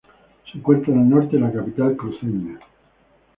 Se encuentra al norte de la capital cruceña.